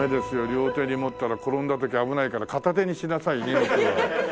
両手に持ったら転んだ時危ないから片手にしなさい荷物は。